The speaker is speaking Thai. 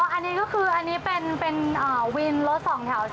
อันนี้ก็คืออันนี้เป็นวินรถสองแถว